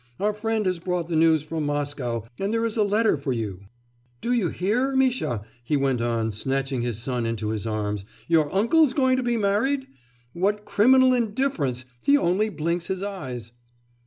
Our friend has brought the news from Moscow, and there is a letter for you.' 'Do you hear, Misha,' he went on, snatching his son into his arms, 'your uncle's going to be married? What criminal indifference! he only blinks his eyes!